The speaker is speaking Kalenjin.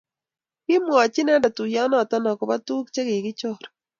Kimwoch inendet tuiyonoto agobo tuguk chekikichor